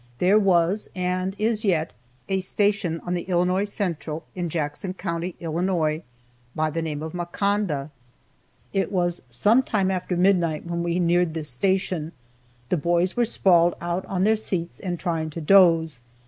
There was (and is yet) a station on the Illinois Central, in Jackson county, Illinois, by the name of "Makanda." It was some time after midnight when we neared this station, the boys were sprawled out on their seats, and trying to doze.